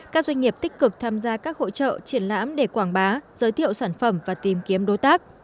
các doanh nghiệp tích cực tham gia các hội trợ triển lãm để quảng bá giới thiệu sản phẩm và tìm kiếm đối tác